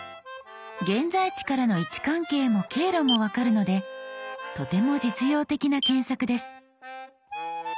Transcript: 現在地からの位置関係も経路も分かるのでとても実用的な検索です。